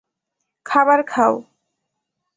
খাবার খাও।